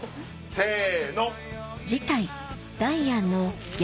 せの！